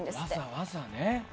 わざわざね。